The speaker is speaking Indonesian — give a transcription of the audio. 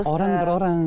orang per orang